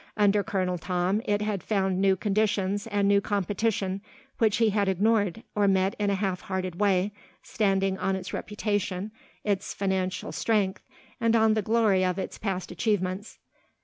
Under Colonel Tom it had found new conditions and new competition which he had ignored, or met in a half hearted way, standing on its reputation, its financial strength, and on the glory of its past achievements.